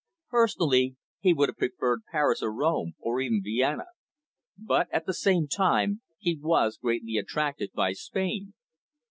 Personally, he would have preferred Paris or Rome, or even Vienna. But, at the same time, he was greatly attracted by Spain.